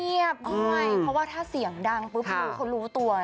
ให้เงียบด้วยเพราะว่าถ้าเสียงดังพุทธเขารู้ตัว